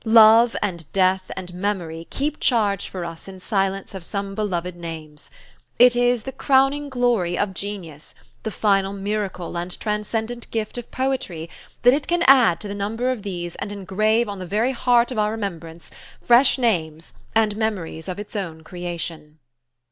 Love, and Death, and Memory, keep charge for us in silence of some beloved names. It is the crowning glory of genius, the final miracle and transcendent gift of poetry, that it can add to the number of these and engrave on the very heart of our remembrance fresh names and memories of its own creation."